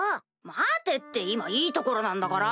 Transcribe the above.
待てって今いいところなんだから！